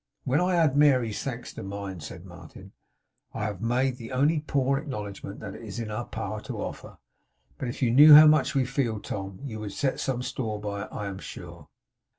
'When I add Mary's thanks to mine,' said Martin, 'I have made the only poor acknowledgment it is in our power to offer; but if you knew how much we feel, Tom, you would set some store by it, I am sure.